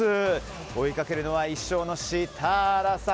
追いかけるのは１勝のシタラさん。